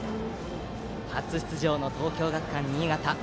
初出場の東京学館新潟。